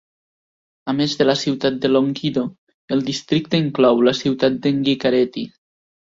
A més de la ciutat de Longido, el districte inclou la ciutat d'Engikareti.